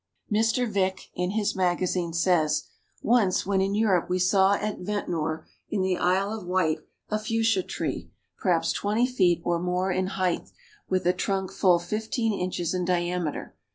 _ Mr. Vick, in his Magazine says: "Once when in Europe, we saw at Ventnor, in the Isle of Wight, a Fuchsia tree, perhaps twenty feet or more in height, with a trunk full fifteen inches in diameter.